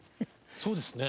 そうですね。